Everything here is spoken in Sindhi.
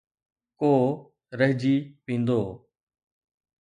ڪو رهجي ويندو.